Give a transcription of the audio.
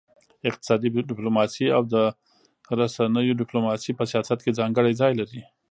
اقتصادي ډيپلوماسي او د رسنيو ډيپلوماسي په سیاست کي ځانګړی ځای لري.